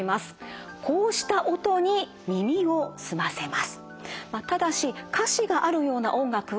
こうした音に耳を澄ませます。